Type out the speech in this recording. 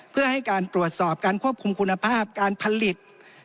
เพื่อให้การตรวจสอบการควบคุมคุณภาพการผลิต